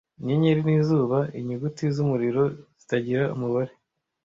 inyenyeri n'izuba inyuguti z'umuriro zitagira umubare